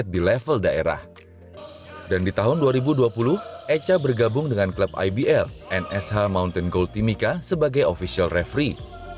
dan di tahun dua ribu dua puluh echa bergabung dengan klub ibl nsh mountain gold timika sebagai official referee